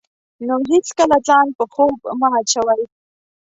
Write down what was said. نو هېڅکله ځان په خوب مه اچوئ.